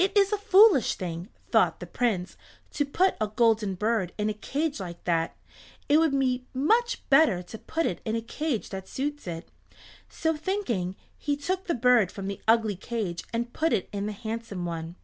"It is a foolish thing," thought the Prince, "to put a golden bird in a cage like that. It would be much better to put it in the cage that suits it." So thinking, he took the bird from the ugly cage and put it in the handsome one.